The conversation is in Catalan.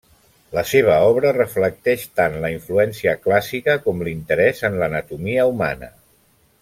La seva obra reflecteix tant la influència clàssica com l'interès en l'anatomia humana.